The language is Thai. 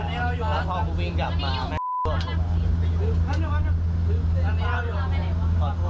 แล้วพอพี่วิ่งกลับมาแม่ไหม